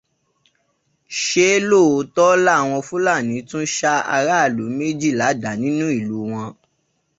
Ṣé lóòtọ́ọ́ láwọn Fúlàní tún ṣá aráàlú méjì ládàá nínú ilé wọn?